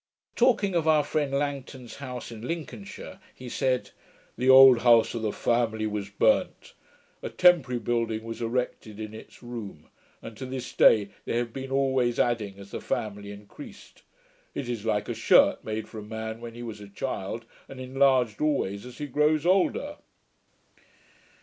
Talking of our friend Langton's house in Lincolnshire, he said, 'the old house of the family was burnt. A temporary building was erected in its room; and to this day they have been always adding as the family increased. It is like a shirt made for a man when he was a child, and enlarged always as he grows older.'